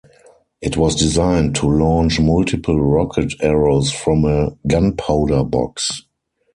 It was designed to launch multiple rocket arrows from a gunpowder box.